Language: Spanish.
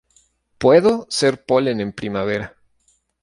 Puedo ser polen en primavera.